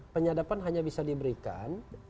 penyadapan hanya bisa diberikan